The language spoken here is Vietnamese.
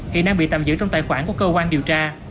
hiện đang bị tạm giữ trong tài khoản của cơ quan điều tra